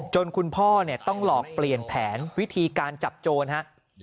คุณพ่อต้องหลอกเปลี่ยนแผนวิธีการจับโจรฮะ